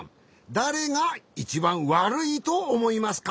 だれがいちばんわるいとおもいますか？